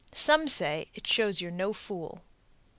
Some say "it shows you're no fool."